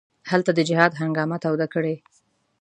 هلته د جهاد هنګامه توده کړي.